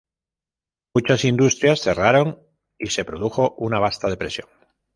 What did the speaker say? Muchas industrias cerraron y se produjo una vasta depresión.